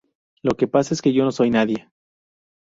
Lo que pasa es que yo no soy nadie.